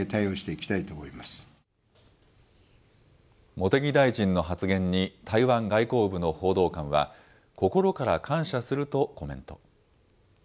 茂木大臣の発言に、台湾外交部の報道官は、心から感謝するとコメント。